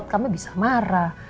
kamu bisa marah